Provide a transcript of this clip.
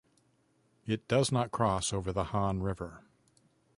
It does not cross over the Han River.